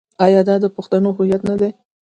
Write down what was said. آیا دا د پښتنو هویت نه دی؟